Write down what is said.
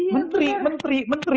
menteri menteri menteri